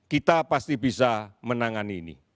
kita pasti bisa menangani ini